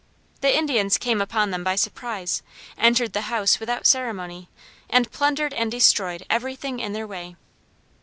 The Indians came upon them by surprise, entered the house without ceremony, and plundered and destroyed everything in their way.